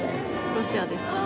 ロシアですよね。